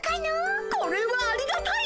これはありがたい。